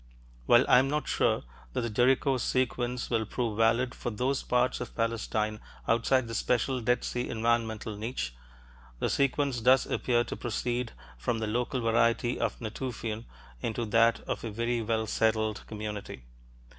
While I am not sure that the Jericho sequence will prove valid for those parts of Palestine outside the special Dead Sea environmental niche, the sequence does appear to proceed from the local variety of Natufian into that of a very well settled community.